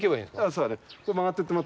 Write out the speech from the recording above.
そうだね。